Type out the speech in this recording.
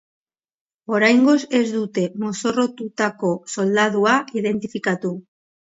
Oraingoz ez dute mozorrotutako soldadua identifikatu.